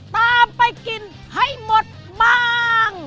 ตามไปกินให้หมดบ้าง